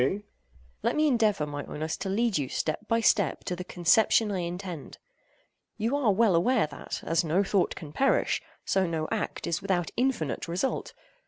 AGATHOS. Let me endeavor, my Oinos, to lead you, step by step, to the conception I intend. You are well aware that, as no thought can perish, so no act is without infinite result.